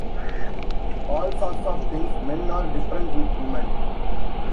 All sorts of things; Men are different with women.